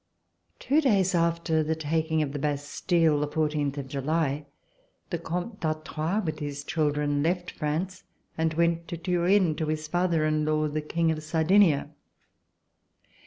Two days after the taking of the Bastille, the fourteenth of July, the Comte d'Artois, with his children, left France and went to Turin to his father in law, the King of Sardinia.